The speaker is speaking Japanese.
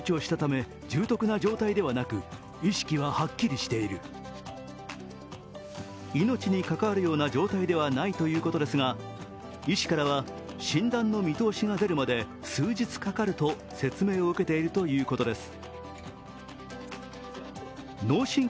病状について球団関係者は命に関わるような状態ではないということですが医師からは診断の見通しが出るまで数日かかると説明を受けているということです。